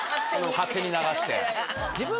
勝手に流して。